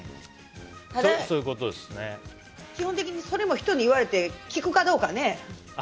ただ、基本的にそれも人に言われて聞くかどうかね。